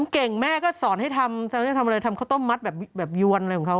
เก่งแม่ก็สอนให้ทำจะทำอะไรทำข้าวต้มมัดแบบยวนอะไรของเขา